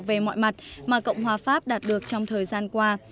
về mọi mặt mà cộng hòa pháp đạt được trong thời gian qua